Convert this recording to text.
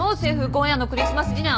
今夜のクリスマスディナー！